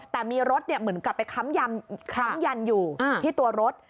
แต่มีรถเหมือนกลับไปค้ำยันอยู่ที่ตัวรถ